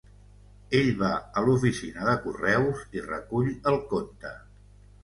Ell va a l'oficina de correus i recull el conte.